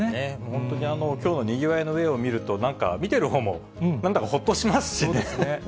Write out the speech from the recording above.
本当に、きょうのにぎわいの絵を見ると、なんか見てるほうも、なんだかほっとしますしね。